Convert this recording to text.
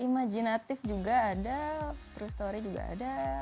imajinatif juga ada true story juga ada